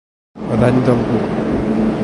A dany d'algú.